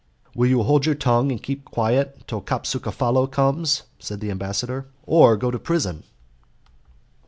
"Will you hold your tongue, and keep quiet till Capsucefalo comes," said the ambassador, "or go to prison?"